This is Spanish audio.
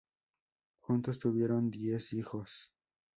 Juntos tuvieron diez hijos.